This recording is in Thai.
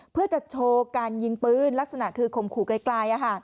เพื่อจะโชว์การยิงปืนลักษณะคือข่มขู่ไกล